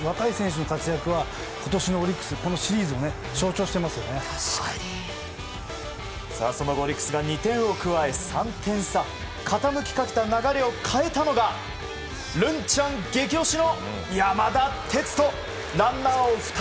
若い選手の活躍は今年のオリックスこのシリーズその後オリックスが２点を加え３点差、傾きかけた流れを変えたのがるんちゃん激推しの山田哲人。